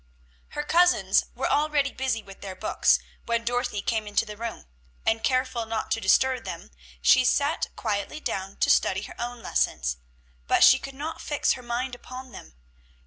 Her cousins were already busy with their books when Dorothy came into the room; and, careful not to disturb them, she sat quietly down to study her own lessons, but she could not fix her mind upon them.